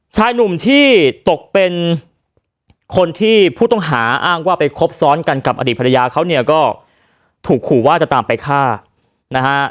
ชายหนุ่มที่ตกเป็นคนที่ผู้ต้องหาอ้างว่าไปคบซ้อนกันกับอดีตภรรยาเขาเนี่ยก็ถูกขู่ว่าจะตามไปฆ่านะฮะ